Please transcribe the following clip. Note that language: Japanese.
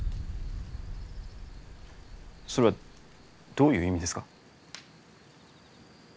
それはどういう意味ですか？